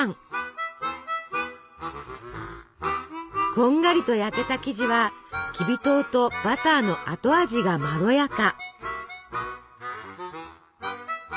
こんがりと焼けた生地はきび糖とバターの後味がまろやか。